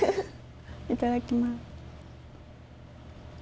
いただきます。